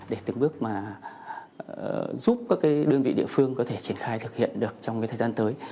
để từng bước mà giúp các đơn vị địa phương có thể triển khai thực hiện được trong thời gian tới